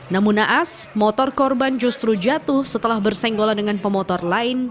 namun naas motor korban justru jatuh setelah bersenggolan dengan pemotor lain